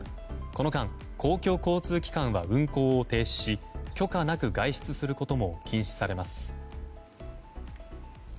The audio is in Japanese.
この間、公共交通機関は運行を停止し許可なく外出することも禁止されます。